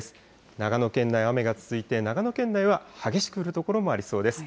長野県内は雨が続いていて、長野県内は激しく降る所もありそうです。